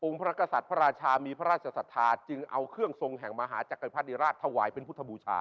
พระกษัตริย์พระราชามีพระราชศรัทธาจึงเอาเครื่องทรงแห่งมหาจักรพรรดิราชถวายเป็นพุทธบูชา